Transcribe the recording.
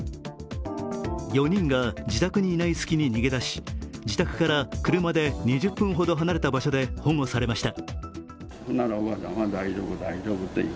４人が自宅にいない隙に逃げ出し、自宅から車で２０分ほど離れた場所で保護されました。